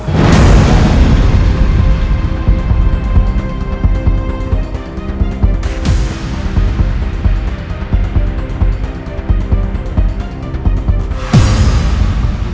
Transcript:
kalau itu bukan anakku